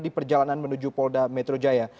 di perjalanan menuju polda metro jaya